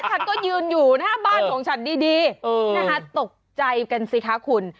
ฉันก็ยืนอยู่หน้าบ้านของฉันดีนะคะตกใจกันสิคะคุณ